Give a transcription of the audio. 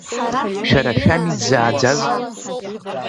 Шәара шәами дзааӡаз.